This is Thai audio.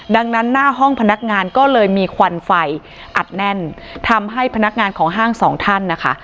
ดังนั้นหน้าห้องพนักงานก็เลยมีควันไฟอัดแน่นทำให้พนักงานของห้างสองท่านนะคะ